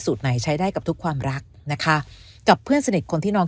ไหนใช้ได้กับทุกความรักนะคะกับเพื่อนสนิทคนที่นอน